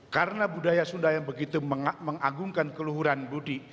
karena budaya sunda yang begitu mengagumkan keluhuran budi